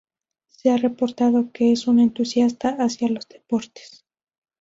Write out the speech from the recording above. Se ha reportado que es un entusiasta hacia los deportes.